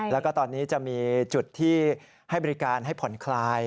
แล้วก็ตอนนี้จะมีจุดที่ให้บริการให้ผ่อนคลาย